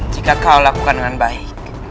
jika kau lakukan dengan baik